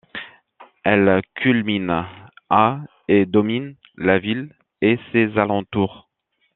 Elle culmine à et domine la ville et ses alentours.